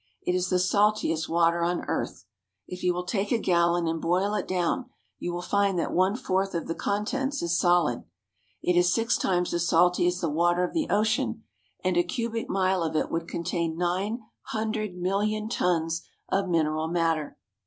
It is the saltiest water on earth. If you will take a gallon and boil it down, you will find that one fourth of the contents is solid. It is six times as salty as the water of the ocean, and a cubic mile of it would contain nine hundred million tons of mineral matter.